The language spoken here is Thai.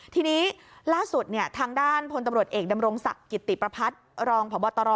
ทีนี้ล่าสุดทางด้านพลตำรวจเอกดำรงศักดิ์กิติประพัฒน์รองพบตร